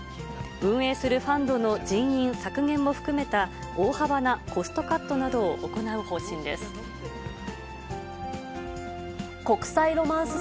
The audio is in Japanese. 運営するファンドの人員削減も含めた大幅なコストカットなどを行国際ロマンス